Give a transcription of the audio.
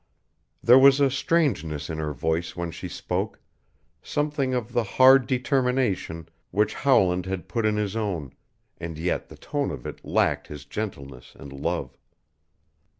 There was a strangeness in her voice when she spoke something of the hard determination which Howland had put in his own, and yet the tone of it lacked his gentleness and love.